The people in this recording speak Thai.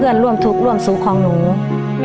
ลองกันถามอีกหลายเด้อ